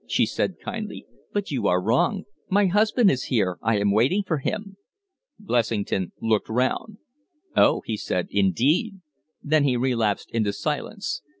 she said, kindly. "But you are wrong. My husband is here I am waiting for him." Blessington looked round. "Oh!" he said. "Indeed!" Then he relapsed into silence.